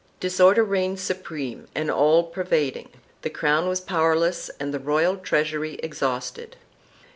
3 Disorder reigned supreme and all pervading. The crown was powerless and the royal treasury exhausted.